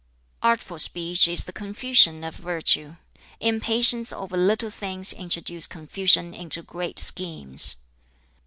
"Artful speech is the confusion of Virtue. Impatience over little things introduces confusion into great schemes.